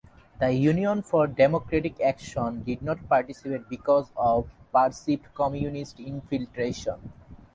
The Union for Democratic Action did not participate because of perceived Communist infiltration.